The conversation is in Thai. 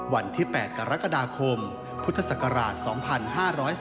วันที่๘กรกฎาคมพุทธศักราช๒๕๔